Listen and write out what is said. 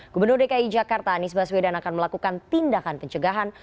gubernur dki jakarta anies baswedan akan melakukan tindakan pencegahan